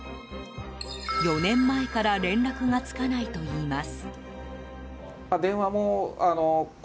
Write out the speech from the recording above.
４年前から連絡がつかないといいます。